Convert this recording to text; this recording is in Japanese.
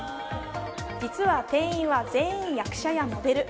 実は店員は全員役者やモデル。